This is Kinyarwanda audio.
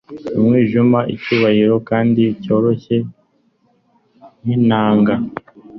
umwijima, icyubahiro kandi cyoroshye nkintanga